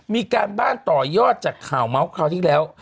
มีการบ้านต่อยอดจากข่าวเมาส์คราวที่แล้ว